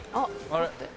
あれ？